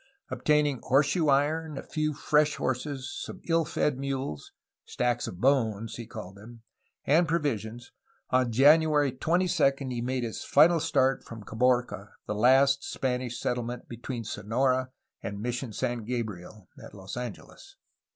Obtaining horseshoe iron, a few fresh horses, some ill fed mules, — 'stacks of bones,' he called them, — and provisions, on January twenty second he made his final start from Caborca, the last Spanish settlement between Sonora and Mission San Gabriel (at Los An geles).